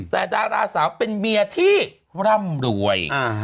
แต่ดาราสาวเป็นเมียที่ร่ำรวย